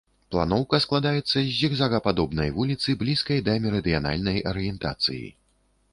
Планоўка складаецца з зігзагападобнай вуліцы, блізкай да мерыдыянальнай арыентацыі.